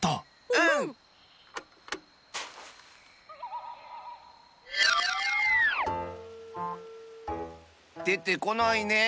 うん！でてこないね。